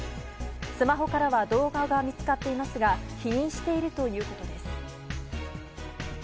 スマホからは動画が見つかっていますが、否認しているということです。